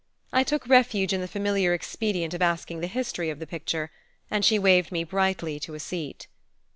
I took refuge in the familiar expedient of asking the history of the picture, and she waved me brightly to a seat.